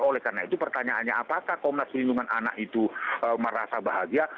oleh karena itu pertanyaannya apakah komnas perlindungan anak itu merasa bahagia